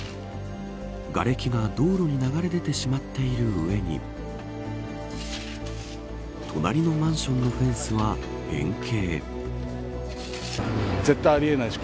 がれきが道路に流れ出てしまっている上に隣のマンションのフェンスは変形。